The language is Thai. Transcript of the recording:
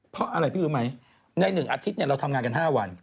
เพราะอะไรพี่รู้ไหมใน๑อาทิตย์เราทำงานกัน๕วัน